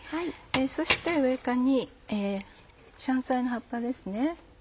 そして上に香菜の葉っぱです。